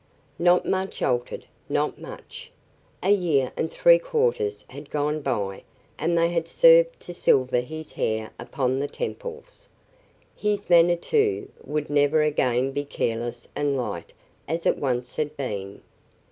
Not much altered; not much. A year and three quarters had gone by and they had served to silver his hair upon the temples. His manner, too, would never again be careless and light as it once had been.